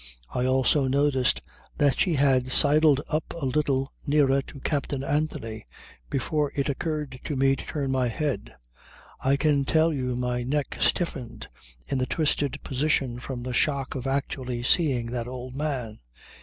I also noticed that she had sidled up a little nearer to Captain Anthony, before it occurred to me to turn my head. I can tell you my neck stiffened in the twisted position from the shock of actually seeing that old man!